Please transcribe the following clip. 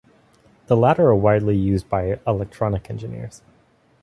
The latter are widely used by electronic engineers.